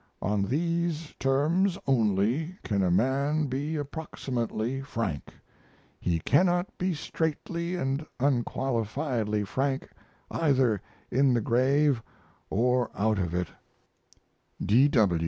On these terms only can a man be approximately frank. He cannot be straitly and unqualifiedly frank either in the grave or out of it.'